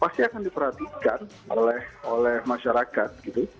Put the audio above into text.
pasti akan diperhatikan oleh masyarakat gitu